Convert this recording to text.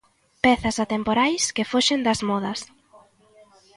Pezas atemporais que foxen das modas.